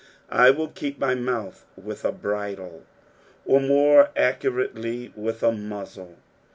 " Iviill tap my motilh vUk a bridle, or mure accurately, with a muzzle.